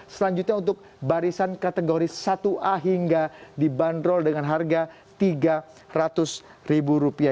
selanjutnya untuk barisan kategori satu a hingga dibanderol dengan harga tiga ratus ribu rupiah